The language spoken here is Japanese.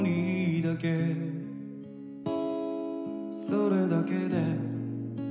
「それだけで」